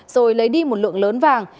rồi lấy đi một lượng lớn vàng